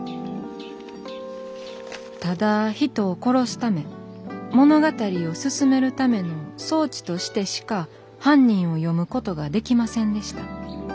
「ただ人を殺すため物語を進めるための装置としてしか犯人を読むことができませんでした。